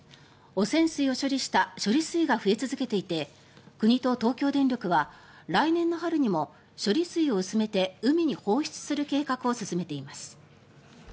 汚染水を処理した処理水が増え続けていて国と東京電力は来年春にも処理水を薄めて海に放出する計画を進めています。